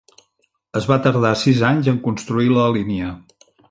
Es va tardar sis anys en construir la línia.